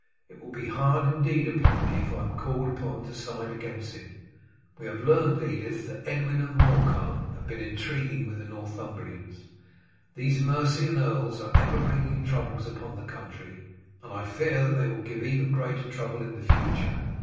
It will be hard indeed upon me if I am called upon to side against him. We have learnt, Edith, that Edwin and Morcar have been intriguing with the Northumbrians. These Mercian earls are ever bringing troubles upon the country, and I fear they will give even greater trouble in the future.